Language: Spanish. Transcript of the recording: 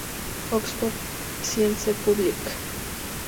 Oxford science public.